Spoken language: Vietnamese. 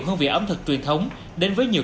hương vị ẩm thực truyền thống đến với nhiều